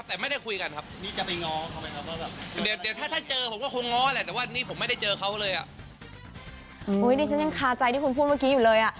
นี่ฉันยังคาใจที่คุณพูดเมื่อกี้อยู่เลยอ่ะ